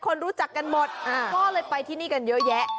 คนรู้จักกันหมดก็เลยไปที่นี่กันเยอะแยะ